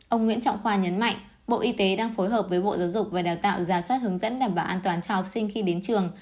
ông nguyễn trọng khoa nhấn mạnh bộ y tế đang phối hợp với bộ giáo dục và đào tạo ra soát hướng dẫn đảm bảo an toàn cho học sinh khi đến trường